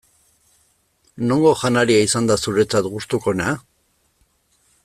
Nongo janaria izan da zuretzat gustukoena?